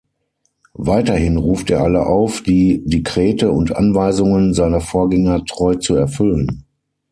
Weiterhin ruft er alle auf, die Dekrete und Anweisungen seiner Vorgänger treu zu erfüllen.